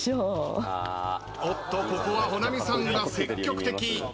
おっとここは保奈美さんが積極的。